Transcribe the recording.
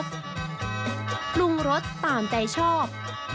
ปรุงรสตามใจชอบ